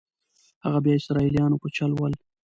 هغه بیا اسرائیلیانو په چل ول.